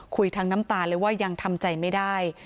คุยทั้งน้ำตาเลยว่ายังทำใจไม่ได้